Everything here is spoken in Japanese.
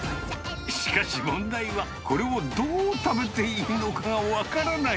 しかし、問題は、これをどう食べていいのかが分からない。